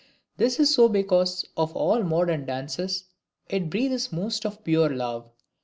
This is so because of all modern dances, it breathes most of pure love.